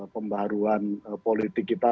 pembaharuan politik kita